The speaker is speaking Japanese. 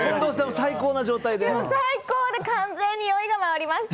最高で完全に酔いが回りました。